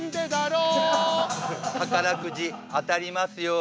宝くじ当たりますように。